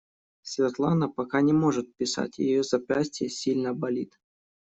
Светлана пока не может писать, ее запястье сильно болит.